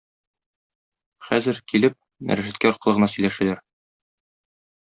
Хәзер, килеп, рәшәткә аркылы гына сөйләшәләр.